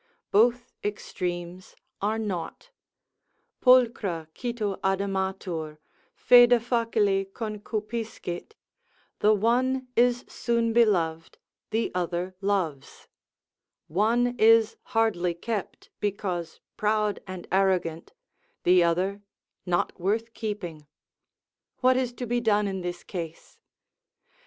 Both extremes are naught, Pulchra cito adamatur, foeda facile concupiscit, the one is soon beloved, the other loves: one is hardly kept, because proud and arrogant, the other not worth keeping; what is to be done in this case?